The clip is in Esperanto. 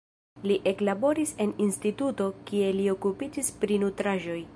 Li eklaboris en instituto, kie li okupiĝis pri nutraĵoj.